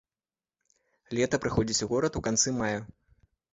Лета прыходзіць у горад у канцы мая.